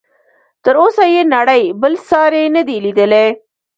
تر اوسه یې نړۍ بل ساری نه دی لیدلی.